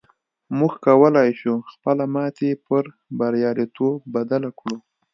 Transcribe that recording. موږ کولی شو خپله ماتې پر برياليتوب بدله کړو.